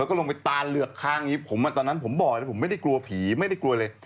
แล้วก็ลงไปตาเลือกข้างเขาถึงผมสิผมต้องบอกผมไม่ได้กลัวผีพี่ผมไม่ได้กลัวเลย